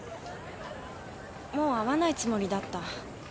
もう会わないつもりだった。